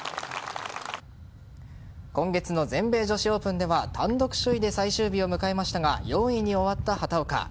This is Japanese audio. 今月の全米女子オープンでは単独首位で最終日を迎えましたが４位に終わった畑岡。